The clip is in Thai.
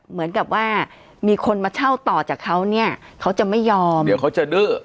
เหมือนกับว่ามีคนมาเช่าต่อจากเขาเนี่ยเขาจะไม่ยอมเดี๋ยวเขาจะดื้อ